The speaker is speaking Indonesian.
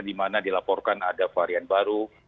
di mana dilaporkan ada varian baru